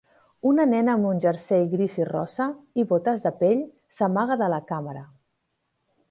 Una nena amb un jersei gris i rosa, i botes de pell, s'amaga de la càmera.